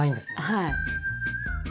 はい。